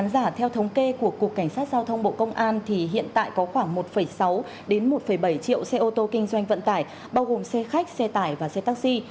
đến một bảy triệu xe ô tô kinh doanh vận tải bao gồm xe khách xe tải và xe taxi